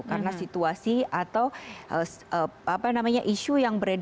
karena situasi atau apa namanya isu yang berbeda